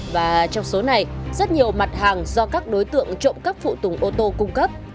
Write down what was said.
và trong số này rất nhiều mặt hàng do các đối tượng trộm cắp phụ tùng ô tô cung cấp